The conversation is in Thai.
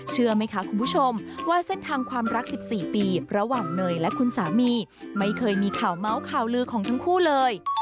เชื่อไหมคะคุณผู้ชมว่าเส้นทางความรัก๑๔ปีระหว่างเนยและคุณสามีไม่เคยมีข่าวเมาส์ข่าวลือของทั้งคู่เลย